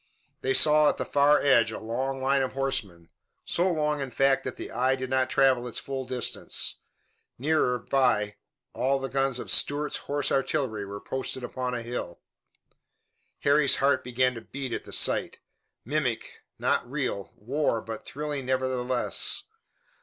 They saw at the far edge a long line of horsemen, so long, in fact, that the eye did not travel its full distance. Nearer by, all the guns of "Stuart's Horse Artillery" were posted upon a hill. Harry's heart began to beat at the sight mimic, not real, war, but thrilling nevertheless.